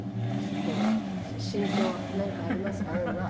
こう心境何かありますか？